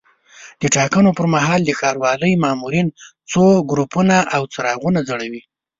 د ټاکنو پر مهال د ښاروالۍ مامورین څو ګروپونه او څراغونه ځړوي.